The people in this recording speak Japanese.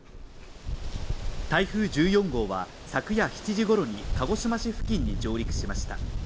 台風１４号は、昨夜７時ごろに鹿児島市付近に上陸しました。